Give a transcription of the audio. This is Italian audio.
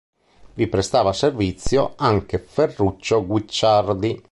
Vi prestava servizio anche Ferruccio Guicciardi.